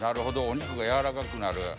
お肉がやわらかくなる。